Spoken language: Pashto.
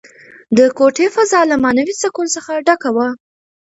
د کوټې فضا له معنوي سکون څخه ډکه وه.